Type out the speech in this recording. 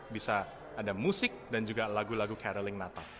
bisa ada musik dan juga lagu lagu cateralling natal